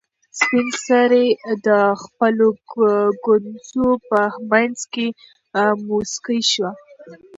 سپین سرې د خپلو ګونځو په منځ کې موسکۍ شوه.